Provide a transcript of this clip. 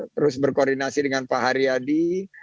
terus berkoordinasi dengan pak haryadi